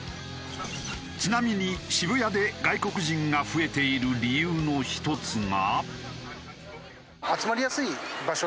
ちなみに渋谷で外国人が増えている理由の１つが。